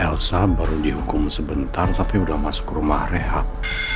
elsa baru dihukum sebentar tapi udah masuk rumah rehat